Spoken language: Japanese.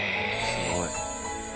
すごい。